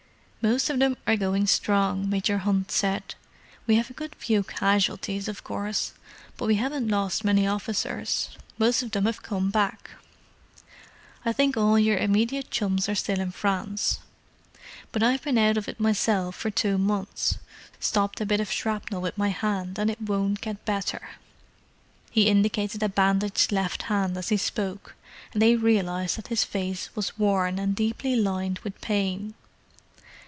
"Most of them are going strong," Major Hunt said—"we have a good few casualties, of course, but we haven't lost many officers—most of them have come back. I think all your immediate chums are still in France. But I've been out of it myself for two months—stopped a bit shrapnel with my hand, and it won't get better." He indicated a bandaged left hand as he spoke, and they realized that his face was worn, and deeply lined with pain.